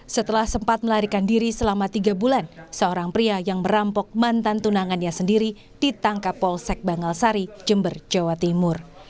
setelah sempat melarikan diri selama tiga bulan seorang pria yang merampok mantan tunangannya sendiri ditangkap polsek bangal sari jember jawa timur